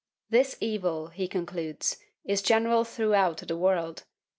This evil, he concludes, is general throughout the world.